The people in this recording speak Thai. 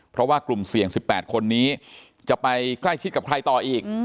เพราะว่ากลุ่มเสี่ยง๑๘คนนี้จะไปใกล้ชิดกับใครต่ออีก